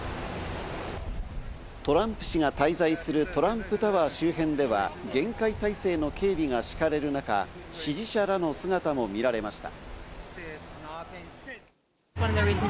トランプ氏が滞在するトランプタワー周辺では、厳戒態勢の警備がしかれる中、支持者らの姿も見られました。